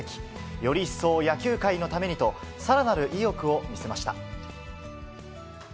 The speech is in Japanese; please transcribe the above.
より一層野球界のためにとさらなる意欲を見せました。